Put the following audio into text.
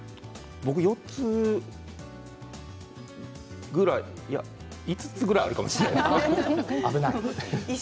僕４ついや５つぐらいあるかもしれないです。